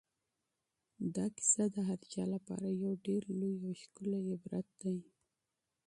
دا کیسه د هر چا لپاره یو ډېر لوی او ښکلی عبرت دی.